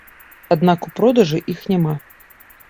Аднак у продажы іх няма!